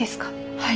はい。